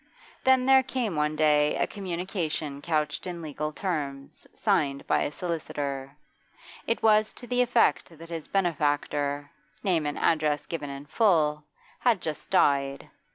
Then there came one day a communication couched in legal terms, signed by a solicitor. It was to the effect that his benefactor name and address given in full had just died.